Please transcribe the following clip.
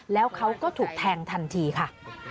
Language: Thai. แล้วเขาก็ถูกแทงทันทีค่ะ